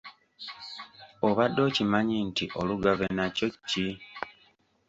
Obadde okimanyi nti olugave nakyo ki?